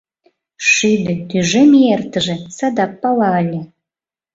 Шӱдӧ, тӱжем ий эртыже — садак пала ыле.